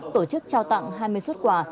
tổ chức trao tặng hai mươi xuất quà